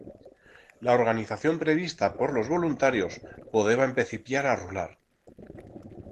La organización prevista por los voluntarios podeba empecipiar a rular.